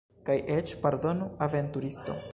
Kaj eĉ, pardonu, aventuristo.